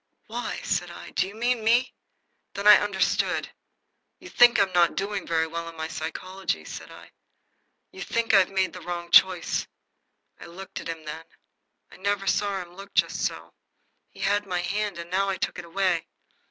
"Why," said I, "do you mean me?" Then I understood. "You think I'm not doing very well in my psychology," I said. "You think I've made a wrong choice." I looked at him then. I never saw him look just so. He had my hand, and now I took it away.